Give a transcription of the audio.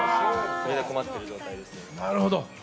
それで困っている状態です。